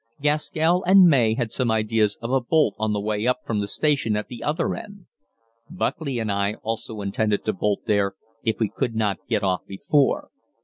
Gaskell and May had some ideas of a bolt on the way up from the station at the other end. Buckley and I also intended to bolt there, if we could not get off before.